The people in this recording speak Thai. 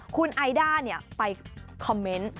คุณไอด้าเนี่ยไปคอมเมนต์